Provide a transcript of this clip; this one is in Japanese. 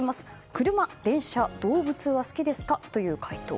車、電車、動物は好きですかという回答。